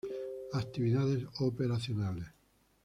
Actividades operacionales.